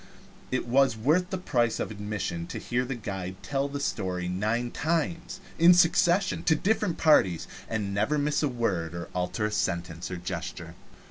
It is worth the price of admission to hear the guide tell the story nine times in succession to different parties, and never miss a word or alter a sentence or a gesture.